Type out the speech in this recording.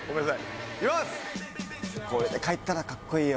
これで帰ったら格好いいよ。